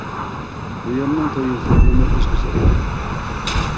بۇ يەرنىڭ توي يوسۇنلىرىمۇ ئۆزگىچە ئىدى.